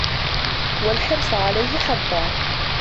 وَالْحِرْصَ عَلَيْهِ حَظًّا